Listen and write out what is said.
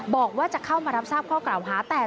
บอกว่าจะเข้ามารับทราบข้อกล่าวหา